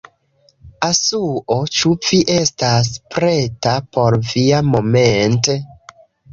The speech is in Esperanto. Asuo, ĉu vi estas preta por via moment'...